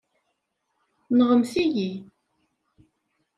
Nɣemt-iyi.